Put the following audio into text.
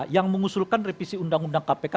yang mengusulkan revisi undang undang kpk